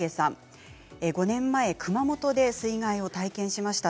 ５年前熊本で水害を体験しました。